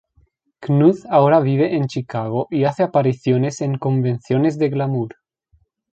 Knuth ahora vive en Chicago y hace apariciones en "convenciones de glamour".